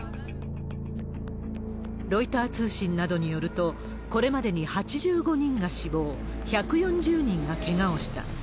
ロイター通信などによると、これまでに８５人が死亡、１４０人がけがをした。